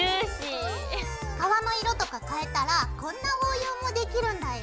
皮の色とか変えたらこんな応用もできるんだよ。